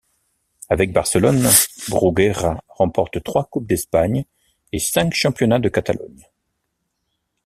Avec Barcelone, Bruguera remporte trois Coupes d'Espagne et cinq championnats de Catalogne.